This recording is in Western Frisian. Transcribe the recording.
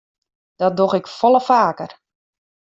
Dat doch ik folle faker.